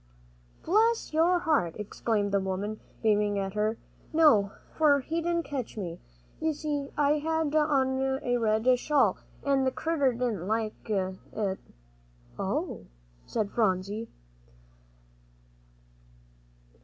"Bless your heart!" exclaimed the woman, beaming at her, "no, for he didn't catch me. You see I had on a red shawl, an' the critter didn't like it." "Oh!" said Phronsie.